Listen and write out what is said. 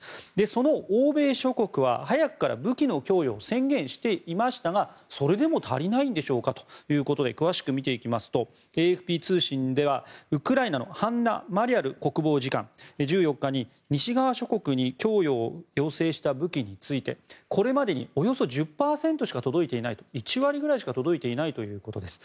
その欧米諸国は早くから武器の供与を宣言していましたがそれでも足りないんでしょうかということで詳しく見ていきますとＡＦＰ通信ではウクライナのハンナ・マリャル国防次官１４日に、西側諸国に供与を要請した武器についてこれまでにおよそ１０％しか届いていないと１割ぐらいしか届いていないということです。